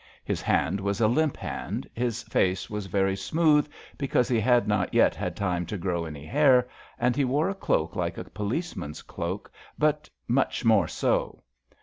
His hand was a limp hand, his face was very smooth because he had not yet had time to grow any hair, and he wore a cloak like a policeman's doak, but much more so.